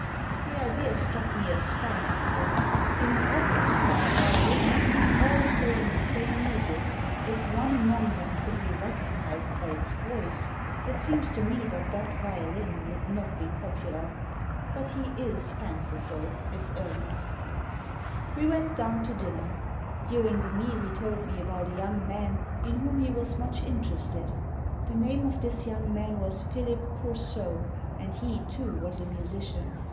The idea struck me as fanciful. In an orchestra of violins, all playing the same music, if one among them could be recognised by its voice, it seems to me that that violin would not be popular. But he is fanciful, is Ernest We went down to dinner. During the meal he told me about a young man in whom he was much interested. The name of this young man was Philip Coursault, and he, too, was a musician.